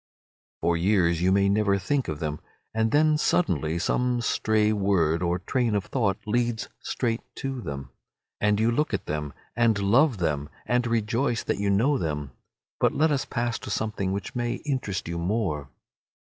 For years you may never think of them, and then suddenly some stray word or train of thought leads straight to them, and you look at them and love them, and rejoice that you know them. But let us pass to something which may interest you more.